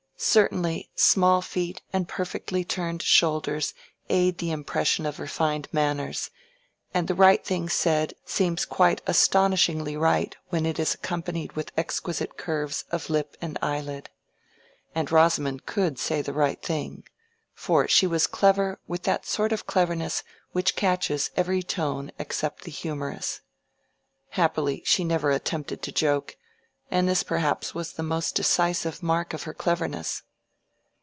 Certainly, small feet and perfectly turned shoulders aid the impression of refined manners, and the right thing said seems quite astonishingly right when it is accompanied with exquisite curves of lip and eyelid. And Rosamond could say the right thing; for she was clever with that sort of cleverness which catches every tone except the humorous. Happily she never attempted to joke, and this perhaps was the most decisive mark of her cleverness.